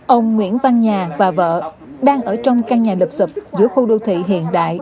ông nguyễn văn nhà và vợ đang ở trong căn nhà lập sập giữa khu đô thị hiện đại